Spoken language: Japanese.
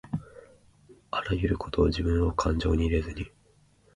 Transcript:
あらゆることをじぶんをかんじょうに入れずに